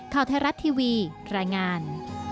ข่าวไทยรัฐทีวีรายงาน